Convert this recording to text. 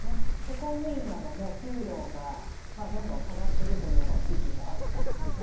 公務員なども給料がどんどん下がっている地域もあるそうです。